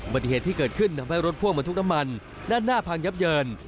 ปฏิเหตุที่เกิดขึ้นทำให้รถพ่วงมาทุกน้ำมันด้านหน้าพังยับเยิน